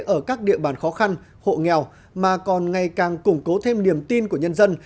ở các địa bàn khó khăn hộ nghèo mà còn ngày càng củng cố thêm niềm tin của nhân dân